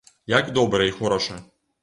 Як добра і хораша!